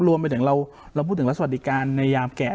รวมไปจากเราพูดถึงวัสดิการในยามแก่